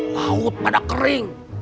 laut pada kering